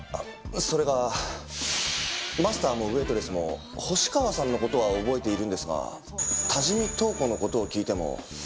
それがマスターもウェートレスも星川さんの事は覚えているんですが多治見透子の事を聞いても。